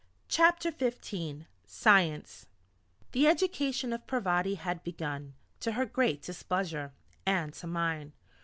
CHAPTER XV SCIENCE The education of Parvati had begun, to her great displeasure and to mine.